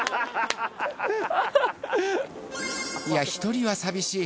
いや１人は寂しい。